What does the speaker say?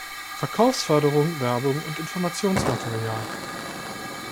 Verkaufsförderung, Werbung und Informationsmaterial.